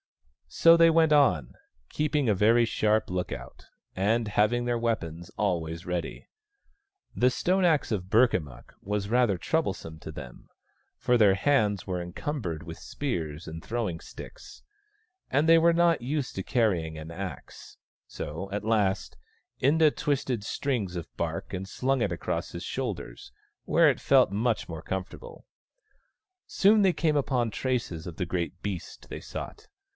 So they went on, keeping a very sharp look out, and having their weapons always ready. The stone axe of Burkamukk was rather troublesome to them, for their hands were encumbered with spears and throwing sticks, and they were not used to carrying an axe : so, at last, Inda twisted strings of bark and slung it across his shoulders, where it felt much more comfortable. Soon they came upon traces of the great beast they sought.